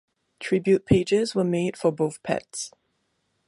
Tribute pages were made for both pets.